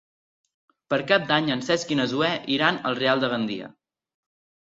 Per Cap d'Any en Cesc i na Zoè iran al Real de Gandia.